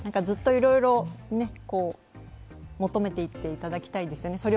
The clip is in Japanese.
ずっといろいろ、求めていっていただきたいですよね。